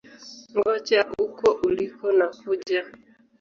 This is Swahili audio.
Ngoja uko uliko nakuja.